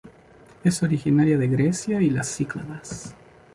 Es originaria de Grecia y las Cícladas.